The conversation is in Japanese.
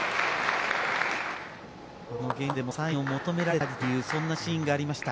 現地でもサインを求められたりというそんなシーンがありました。